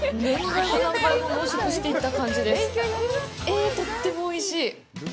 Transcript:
えっ、とってもおいしい！